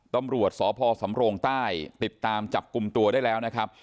ตำรวจสพสำโรงใต้ติดตามจับกลุ่มตัวได้แล้วนะครับ